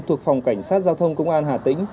thuộc phòng cảnh sát giao thông công an hà tĩnh